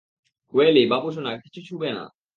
Oily, বাবুসোনা, কিছু ছুবে না।